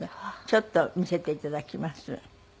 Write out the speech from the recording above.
ちょっと見せて頂きます。